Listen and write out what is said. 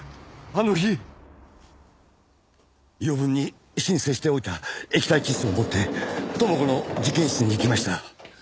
あの日余分に申請しておいた液体窒素を持って知子の実験室に行きました。